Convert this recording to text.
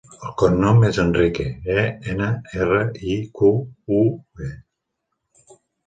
El cognom és Enrique: e, ena, erra, i, cu, u, e.